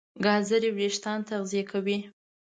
ګازرې وېښتيان تغذیه کوي.